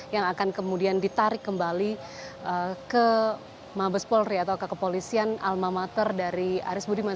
yang akan kemudian ditarik kembali ke mabes polri atau ke kepolisian alma mater dari aris budiman